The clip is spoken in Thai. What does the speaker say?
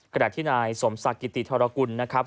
กรรดย์ที่นายสมศักดิ์กิติทรกุล